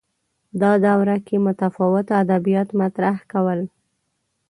دا دوره کې متفاوت ادبیات مطرح کول